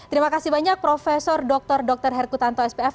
terima kasih banyak profesor dr dr herku tanto spf